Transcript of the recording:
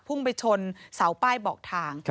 พุ่งไปชนเสาป้ายบอกทาง